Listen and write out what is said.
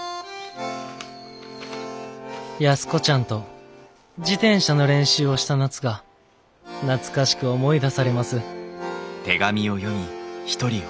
「安子ちゃんと自転車の練習をした夏が懐かしく思い出されます」。